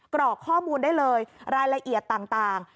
กรอกข้อมูลได้เลยรายละเอียดต่าง